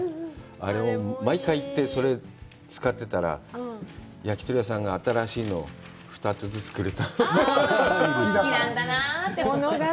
あれも毎回行って、それ使ってたら、焼き鳥屋さんが新しいの、２つずつ作れた。